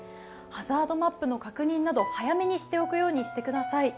ハザードマップの確認など、早めにしておくようにしてください。